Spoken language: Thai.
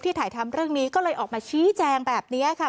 ถ่ายทำเรื่องนี้ก็เลยออกมาชี้แจงแบบนี้ค่ะ